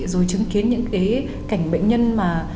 rồi chứng kiến những cái cảnh bệnh nhân mà